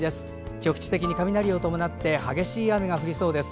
局地的に雷を伴って激しい雨が降りそうです。